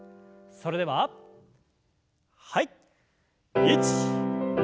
それでははい。